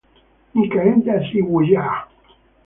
Nikaenda siw'uyaa.